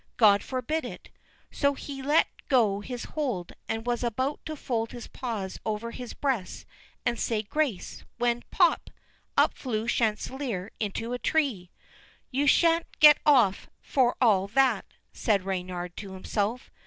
God forbid it! So he let go his hold, and was about to fold his paws over his breast and say grace—when pop! up flew Chanticleer into a tree. "You sha'n't get off, for all that," said Reynard to himself.